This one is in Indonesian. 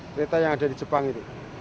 kereta yang ada di jepang itu